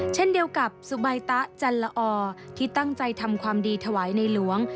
เช่นเดียวกับสุใบตะจันละอที่ตั้งใจทำความดีถวายในหลวง